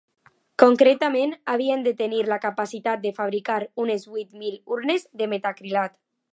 Concretament, havien de tenir la capacitat de fabricar unes vuit mil urnes de metacrilat.